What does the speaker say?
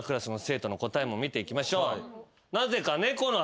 見ていきましょう。